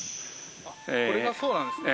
これがそうなんですね？